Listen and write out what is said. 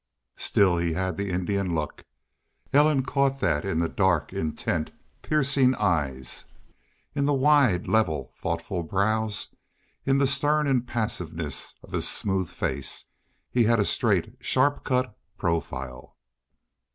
Still he had the Indian look. Ellen caught that in the dark, intent, piercing eyes, in the wide, level, thoughtful brows, in the stern impassiveness of his smooth face. He had a straight, sharp cut profile.